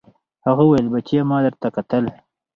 هغه وويل بچيه ما درته کتل.